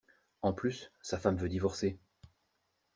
En plus, sa femme veut divorcer.